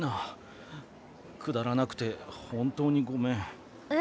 くだらなくて本当にごめん。え？